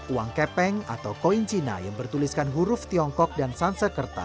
uang kepeng atau koin cina yang bertuliskan huruf tiongkok dan sansekerta